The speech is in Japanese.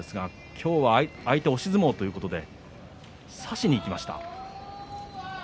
今日は相手押し相撲ということで差しにいきました。